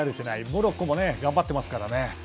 モロッコも頑張っていますからね。